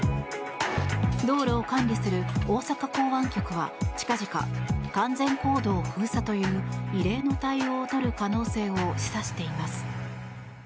道路を管理する大阪港湾局は近々、完全公道封鎖という異例の対応を取る可能性を示唆しています。